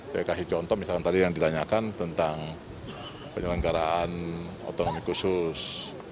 saya kasih contoh misalkan tadi yang ditanyakan tentang penyelenggaraan otonomi khusus